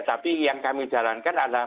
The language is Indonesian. tapi yang kami jalankan adalah